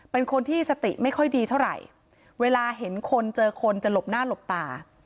เป็นคนที่สติไม่ค่อยดีเท่าไหร่เวลาเห็นคนเจอคนจะหลบหน้าหลบตา